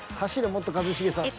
もっと一茂さん。